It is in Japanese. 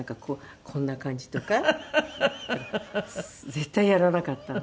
絶対やらなかったの。